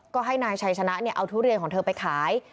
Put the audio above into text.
ก็ให้นายชัยชนะเอาทุเรียนของเธอไปขาย